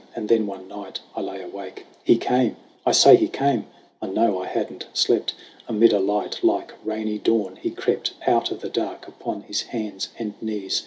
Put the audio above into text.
And then one night I lay awake he came ! I say he came I know I hadn't slept ! Amid a light like rainy dawn, he crept Out of the dark upon his hands and knees.